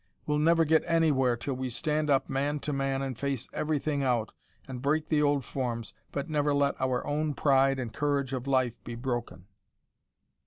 We'll never get anywhere till we stand up man to man and face EVERYTHING out, and break the old forms, but never let our own pride and courage of life be broken."